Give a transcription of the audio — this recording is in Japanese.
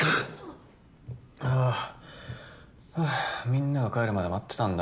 ああーふうみんなが帰るまで待ってたんだ